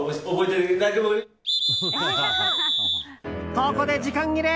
ここで時間切れ！